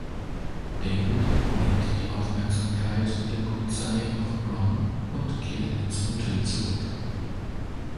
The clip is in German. David lenkt die Aufmerksamkeit der Polizei auf Ron und kehrt ins Motel zurück.